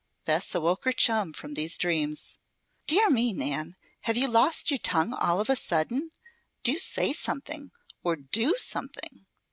Bess awoke her chum from these dreams. "Dear me, Nan! Have you lost your tongue all of a sudden? Do say something, or do something."